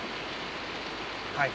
はい。